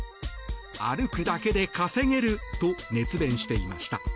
歩くだけで稼げると熱弁していました。